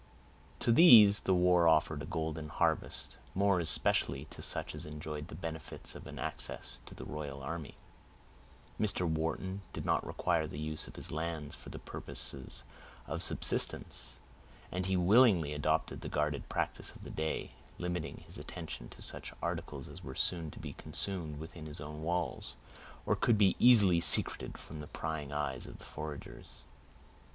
To these the war offered a golden harvest, more especially to such as enjoyed the benefits of an access to the royal army. Mr. Wharton did not require the use of his lands for the purposes of subsistence; and he willingly adopted the guarded practice of the day, limiting his attention to such articles as were soon to be consumed within his own walls, or could be easily secreted from the prying eyes of the foragers.